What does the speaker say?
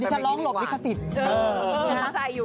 อื้อฉันล้องหลบวิกษาติด